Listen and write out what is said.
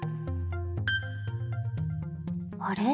あれ？